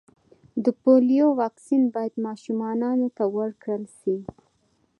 د پولیو واکسین باید و ماشومانو ته ورکړل سي.